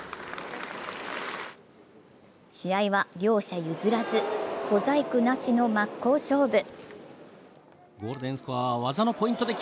試合は両者譲らず、小細工なしの真っ向勝負。